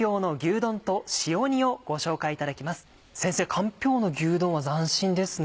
かんぴょうの牛丼は斬新ですね。